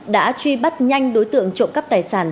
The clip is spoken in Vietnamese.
đã truy bắt nhanh đối tượng trộm cắp tài sản